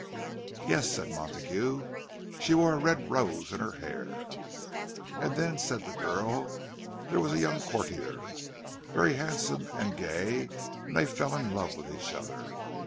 "Yes," said Montague. "She wore a red rose in her hair." "And then," said the girl, "there was a young courtier—very handsome and gay; and they fell in love with each other.